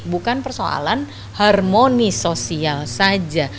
bukan persoalan harmoni sosial saja